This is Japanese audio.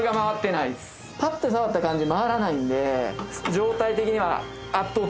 パッて触った感じ回らないんで。